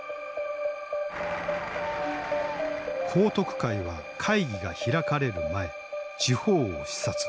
彭徳懐は会議が開かれる前地方を視察。